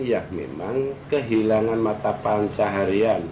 yang memang kehilangan mata panca harian